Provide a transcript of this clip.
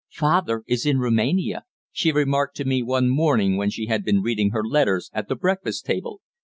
"Father is in Roumania," she remarked to me one morning when she had been reading her letters at the breakfast table.